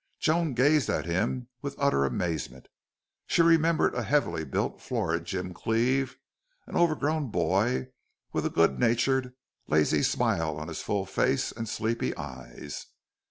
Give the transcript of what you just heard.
Joan gazed at him with utter amazement. She remembered a heavily built, florid Jim Cleve, an overgrown boy with a good natured, lazy smile on his full face and sleepy eyes.